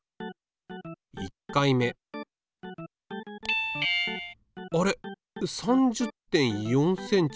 １回目あれ３０．４ｃｍ。